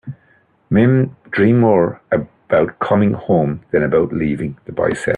"Men dream more about coming home than about leaving," the boy said.